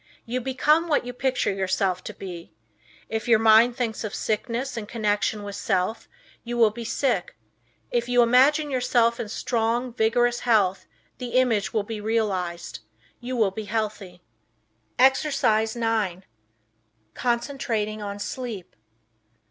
You become what you picture yourself to be. If your mind thinks of sickness in connection with self you will be sick. If you imagine yourself in strong, vigorous health, the image will be realized. You will be healthy. Exercise 9 Concentrating on Sleep.